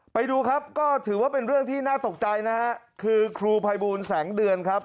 ไปดูครับก็ถือว่าเป็นเรื่องที่น่าตกใจนะฮะคือครูภัยบูลแสงเดือนครับ